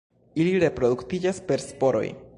Ili reproduktiĝas per sporoj.